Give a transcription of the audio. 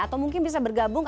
atau mungkin bisa bergabung